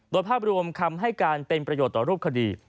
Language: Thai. โดยภาพรวมคำให้การเป็นประโยชน์ต่อรูปคดี